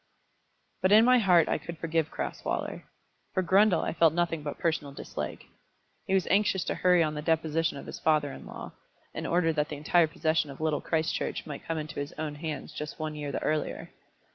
But in my heart I could forgive Crasweller. For Grundle I felt nothing but personal dislike. He was anxious to hurry on the deposition of his father in law, in order that the entire possession of Little Christchurch might come into his own hands just one year the earlier!